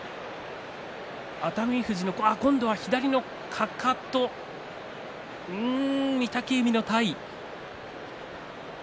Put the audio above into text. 熱海富士、今度は左のかかと御嶽海の体。